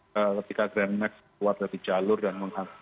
ketika grand next keluar dari jalur dan menghasilkan pusat